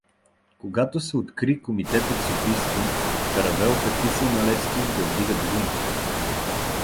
Когато се откри комитетът в Софийско, Каравелов е писал на Левски да дигат бунт.